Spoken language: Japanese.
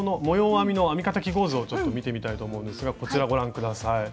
編みの編み方記号図を見てみたいと思うんですがこちらご覧下さい。